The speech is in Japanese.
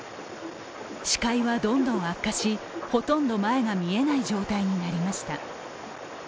視界はどんどん悪化し、ほとんど前が見えない状態になりました。